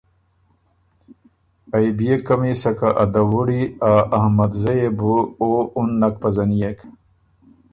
ائ بيې قمی سکه ا دَوُړي او احمدزئ يې بُو او اُن نک پزنيېک